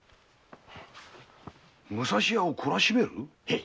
武蔵屋をこらしめる？